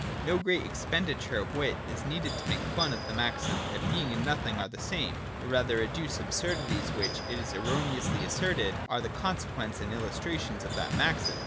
(2) No great expenditure of wit is needed to make fun of the maxim that Being and Nothing are the same, or rather to adduce absurdities which, it is erroneously asserted, are the consequences and illustrations of that maxim.